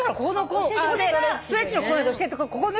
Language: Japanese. ここでストレッチのコーナーで教えて。